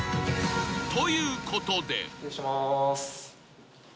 ということで］